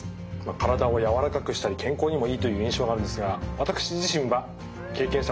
体をやわらかくしたり健康にもいいという印象があるんですが私自身は経験したことがありません。